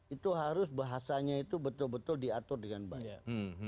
itu harus bahasanya itu betul betul diatur dengan baik